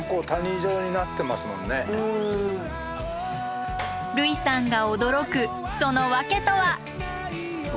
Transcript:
類さんが驚くその訳とは？